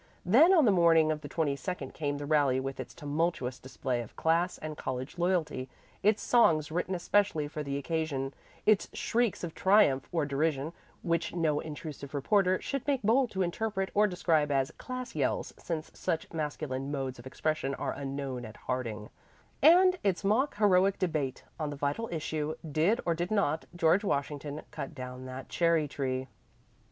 Then on the morning of the twenty second came the rally with its tumultuous display of class and college loyalty, its songs written especially for the occasion, its shrieks of triumph or derision (which no intrusive reporter should make bold to interpret or describe as "class yells," since such masculine modes of expression are unknown at Harding), and its mock heroic debate on the vital issue, "Did or did not George Washington cut down that cherry tree?"